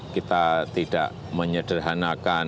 kita tidak menyederhanakan